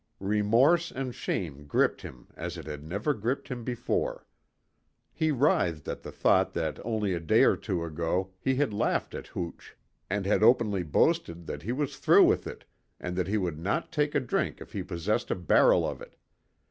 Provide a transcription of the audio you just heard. Remorse and shame gripped him as it had never gripped him before. He writhed at the thought that only a day or two ago he had laughed at hooch, and had openly boasted that he was through with it and that he would not take a drink if he possessed a barrel of it.